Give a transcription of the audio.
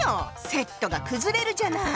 セットが崩れるじゃない！